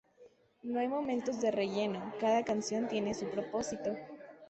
No hay momentos de relleno, cada canción tiene su propósito.